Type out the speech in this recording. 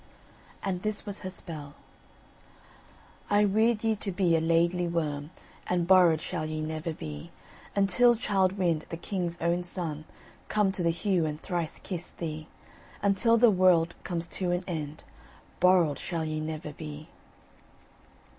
And this was her spell: I weird ye to be a Laidly Worm, And borrowed shall ye never be, Until Childe Wynd, the King's own son Come to the Heugh and thrice kiss thee; Until the world comes to an end, Borrowed shall ye never be.